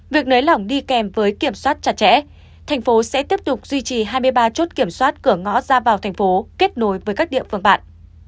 việc nới lỏng đi kèm với kiểm soát chặt chẽ thành phố sẽ tiếp tục duy trì hai mươi ba chốt kiểm soát cửa ngõ ra vào thành phố kết nối với các địa phương bạn